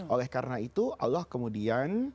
oleh karena itu allah kemudian